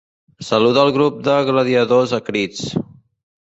Saluda al grup de gladiadors a crits.